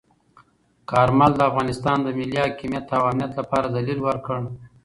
کارمل د افغانستان د ملي حاکمیت او امنیت لپاره دلیل ورکړ.